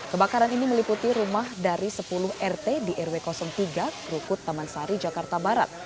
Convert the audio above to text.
kebakaran ini meliputi rumah dari sepuluh rt di rw tiga krukut taman sari jakarta barat